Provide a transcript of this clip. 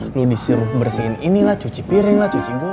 lo disuruh bersihin ini lah cuci piring lah cuci gelas